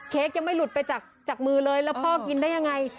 ยังไม่หลุดไปจากมือเลยแล้วพ่อกินได้ยังไง